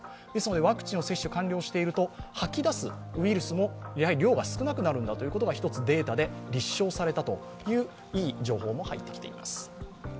ワクチンを接種完了していると、吐き出すウイルスも量が少なくなるんだということが一つデータで立証されたといういい情報も入ってきています。